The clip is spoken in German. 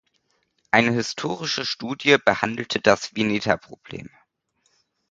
Eine historische Studie behandelte das Vineta-Problem.